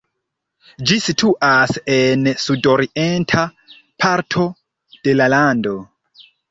Ĝi situas en sudorienta parto de la lando.